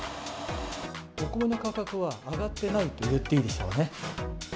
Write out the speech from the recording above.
お米の価格は上がってないといっていいでしょうね。